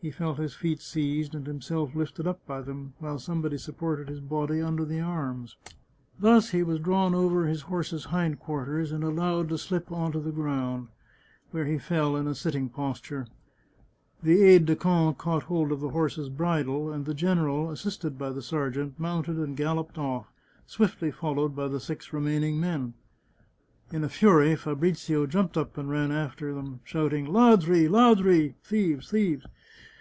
He felt his feet seized and himself lifted up by them, while somebody sup ported his body under the arms. Thus he was drawn over his horse's hind quarters, and allowed to slip on to the 49 The Chartreuse of Parma ground, where he fell in a sitting posture. The aide de camp caught hold of the horse's bridle, and the general, assisted by the sergeant, mounted and galloped off, swiftly followed by the six remaining men. In a fury, Fabrizio jumped up and ran after them, shouting, " Ladri! ladri! "(" Thieves ! thieves